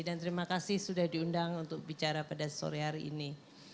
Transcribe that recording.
dan terima kasih sudah diundang untuk bicara pada sore hari ini